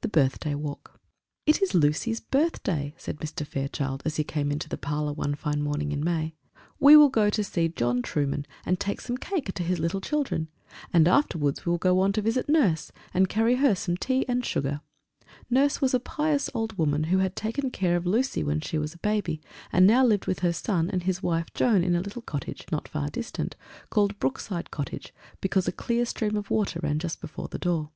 The Birthday Walk [Illustration: Good children] "It is Lucy's birthday," said Mr. Fairchild, as he came into the parlour one fine morning in May; "we will go to see John Trueman, and take some cake to his little children, and afterwards we will go on to visit Nurse, and carry her some tea and sugar." Nurse was a pious old woman, who had taken care of Lucy when she was a baby, and now lived with her son and his wife Joan in a little cottage not far distant, called Brookside Cottage, because a clear stream of water ran just before the door.